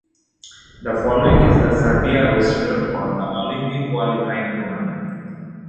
The following is the Serbia roster for the Olympic Qualifying Tournament.